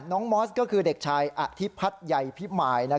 มอสก็คือเด็กชายอธิพัฒน์ใยพิมาย